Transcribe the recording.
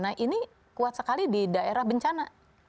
nah ini kuat sekali di daerah bencana